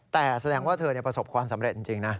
แต่แสดงว่าเธอประสบความสำเร็จจริงนะ